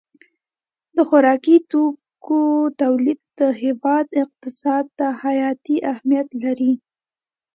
د خوراکي توکو تولید د هېواد اقتصاد ته حیاتي اهمیت لري.